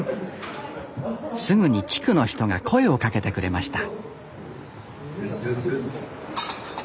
すぐに地区の人が声をかけてくれました